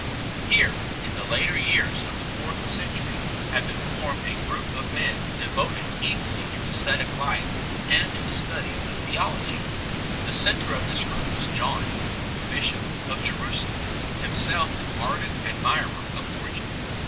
Here in the later years of the fourth century had been formed a group of men devoted equally to ascetic life and to the study of theology. The centre of this group was John, the Bishop of Jerusalem, himself an ardent admirer of Origen.